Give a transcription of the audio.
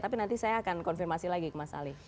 tapi nanti saya akan konfirmasi lagi ke mas ali